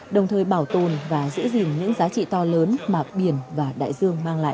đồng thời bảo tồn và giữ gìn những giá trị to lớn mà biển và đại dương mang lại